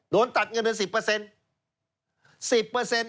โดนตัดเงินถึง๑๐